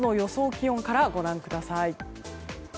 気温からご覧ください。